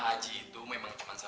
aiah ak curse